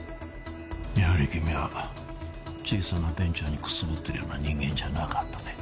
やはり君は小さなベンチャーにくすぶってるような人間じゃなかったね